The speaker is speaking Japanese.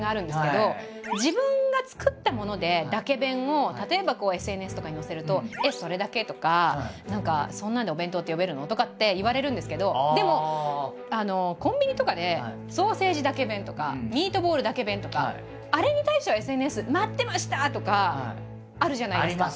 自分が作ったものでだけ弁を例えばこうＳＮＳとかに載せると「えっそれだけ？」とか何か「そんなんでお弁当って呼べるの？」とかって言われるんですけどでもコンビニとかでソーセージだけ弁とかミートボールだけ弁とかあれに対してはＳＮＳ「待ってました！」とかあるじゃないですか。